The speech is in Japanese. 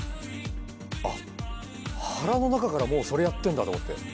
あっ腹の中からもうそれやってるんだと思って。